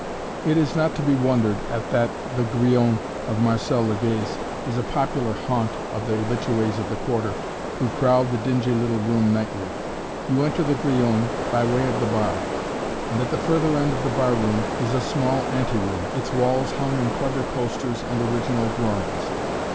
It is not to be wondered at that "The Grillon" of Marcel Legay's is a popular haunt of the habitués of the Quarter, who crowd the dingy little room nightly. You enter the "Grillon" by way of the bar, and at the further end of the bar room is a small anteroom, its walls hung in clever posters and original drawings.